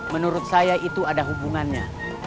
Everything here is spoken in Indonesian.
menurut saya itu ada hubungannya